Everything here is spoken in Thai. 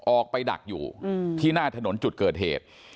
ออกไปดักอยู่ที่หน้าถนนจุดเกิดเหตุ